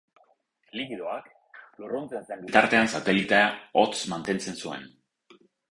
Likidoak, lurruntzen zen bitartean satelitea hotz mantentzen zuen.